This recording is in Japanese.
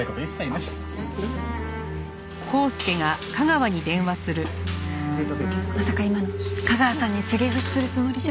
まさか今の架川さんに告げ口するつもりじゃ。